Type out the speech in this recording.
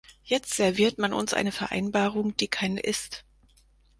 Jetzt serviert man uns eine Vereinbarung, die keine ist.